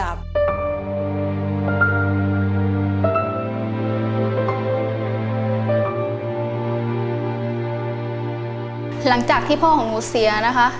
หลังจากที่พ่อของหนูเสียนะคะ